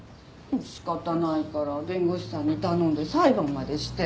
仕方ないから弁護士さんに頼んで裁判までして。